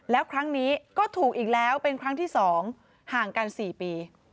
แล้วครั้งนี้ก็ถูกอีกแล้วเป็นครั้งที่๒ห่างกัน๔ปี